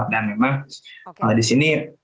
dan memang disini